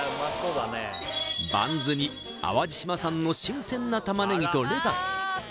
バンズに淡路島産の新鮮な玉ねぎとレタス